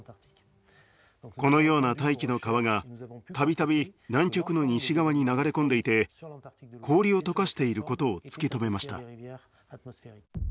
このような大気の川が度々南極の西側に流れ込んでいて氷を解かしていることを突き止めました。